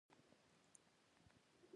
دغو ټولو شیانو د خزان منظرې توپیر کړی وو.